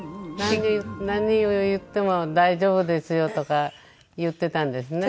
何を言っても「大丈夫ですよ」とか言ってたんですね。